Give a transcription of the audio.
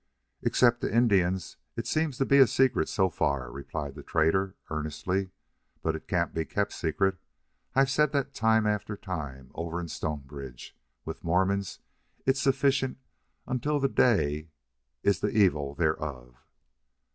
"Except to Indians, it seems to be a secret so far," replied the trader, earnestly. "But it can't be kept secret. I've said that time after time over in Stonebridge. With Mormons it's 'sufficient unto the day is the evil thereof.'"